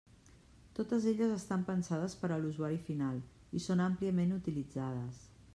Totes elles estan pensades per a l'usuari final i són àmpliament utilitzades.